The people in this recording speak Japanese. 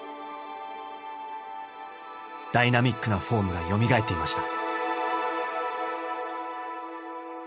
ダイナミックなフォームがよみがえっていました。